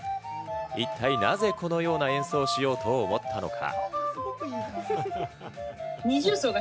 一体なぜこのような演奏をしようと思ったのか？